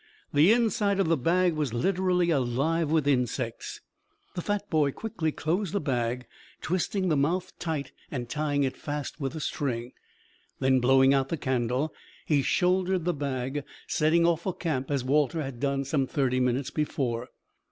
The inside of the bag was literally alive with insects. The fat boy quickly closed the bag, twisting the mouth tight and tying it fast with a string. Then blowing out the candle, he shouldered the bag, setting off for camp as Walter had done some thirty minutes before.